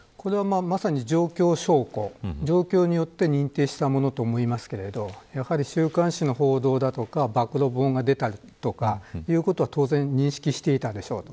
まさに状況証拠、状況によって認定したものと思いますが週刊誌の報道だとか暴露本が出たりとかそういうことは当然認識していたでしょう